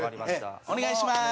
お願いします！